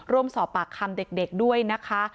ร่วมสอบปากคำเด็กด้วยนะคะ